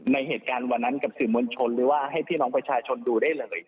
ในเหตุการณ์วันนั้นกับสื่อมวลชนหรือว่าให้พี่น้องประชาชนดูได้เลย